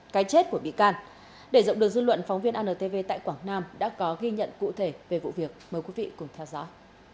cái chết của bị can để rộng được dư luận phóng viên antv tại quảng nam đã có ghi nhận cụ thể về vụ việc mời quý vị cùng theo dõi